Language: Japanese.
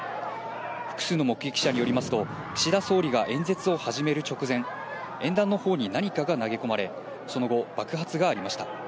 複数の目撃者によりますと、岸田総理が演説を始める直前、演壇のほうに何かが投げ込まれ、その後、爆発がありました。